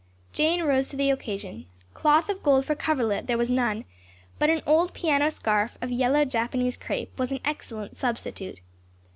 Jane rose to the occasion. Cloth of gold for coverlet there was none, but an old piano scarf of yellow Japanese crepe was an excellent substitute.